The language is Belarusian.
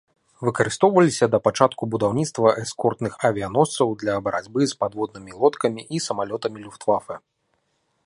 Выкарыстоўваліся да пачатку будаўніцтва эскортных авіяносцаў для барацьбы з падводнымі лодкамі і самалётамі люфтвафэ.